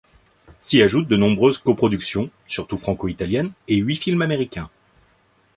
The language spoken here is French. S'y ajoutent de nombreuses coproductions — surtout franco-italiennes — et huit films américains.